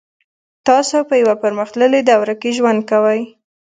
تاسو په یوه پرمختللې دوره کې ژوند کوئ